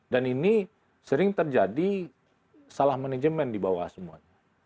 dan ini sering terjadi salah manajemen di bawah semuanya